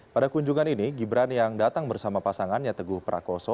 pada kunjungan ini gibran yang datang bersama pasangannya teguh prakoso